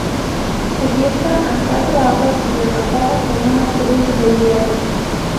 Cubierta a cuatro aguas rematada con una cruz de hierro.